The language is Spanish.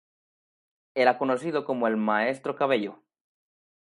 Era conocido como "el maestro Cabello".